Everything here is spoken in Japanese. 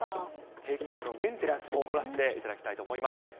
定期的にメンテナンスも行っていただきたいと思います。